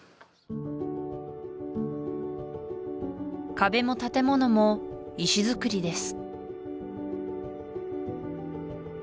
壁も建物も石造りです